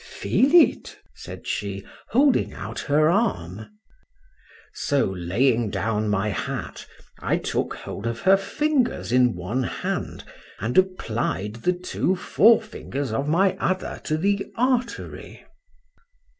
—Feel it, said she, holding out her arm. So laying down my hat, I took hold of her fingers in one hand, and applied the two forefingers of my other to the artery.